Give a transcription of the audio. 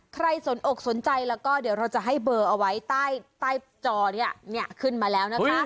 สนอกสนใจแล้วก็เดี๋ยวเราจะให้เบอร์เอาไว้ใต้จอเนี่ยขึ้นมาแล้วนะคะ